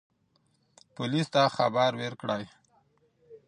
پولیس ته خبر ورکړئ.